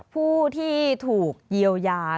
ผู้ที่ถูกเยียวยา